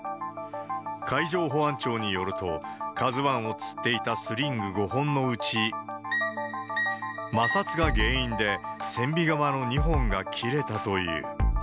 海上保安庁によると、ＫＡＺＵＩをつっていたスリング５本のうち、摩擦が原因で、船尾側の２本が切れたという。